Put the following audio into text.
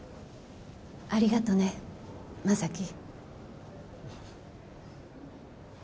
ありがとね正樹。